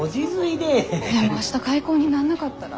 でも明日開口になんなかったら。